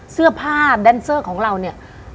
เสื้อผ้าแดนเซอร์ของเราเนี่ย